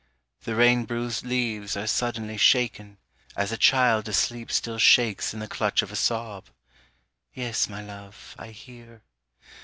_ The rain bruised leaves are suddenly shaken, as a child Asleep still shakes in the clutch of a sob _Yes, my love, I hear.